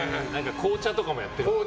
紅茶とかもやってるもんね。